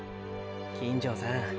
金城さん